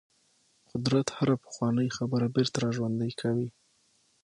قدرت هره پخوانۍ خبره بیرته راژوندۍ کوي.